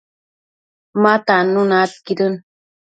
ma tannuna aidquidën